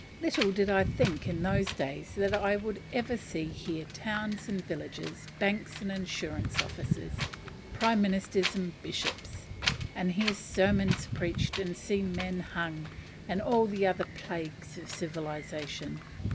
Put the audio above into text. Little did I think in those days that I should ever see here towns and villages, banks and insurance offices, prime ministers and bishops; and hear sermons preached, and see men hung, and all the other plagues of civilization.